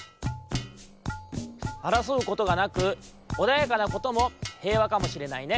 あらそうことがなくおだやかなことも平和かもしれないね。